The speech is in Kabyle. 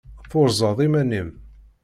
Turzeḍ iman-im.